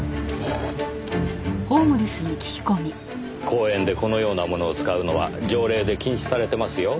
公園でこのようなものを使うのは条例で禁止されてますよ。